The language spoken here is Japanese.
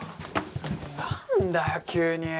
何だよ急に！